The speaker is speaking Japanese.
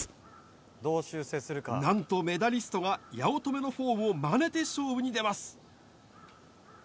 なんとメダリストが八乙女のフォームをまねて勝負に出ます。